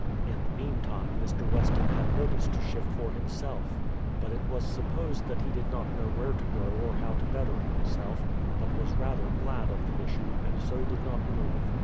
In the meantime Mr. Weston had notice to shift for himself; but it was supposed that he did not know where to go or how to better himself, but was rather glad of the issue, and so did not move.